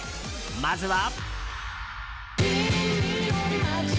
まずは。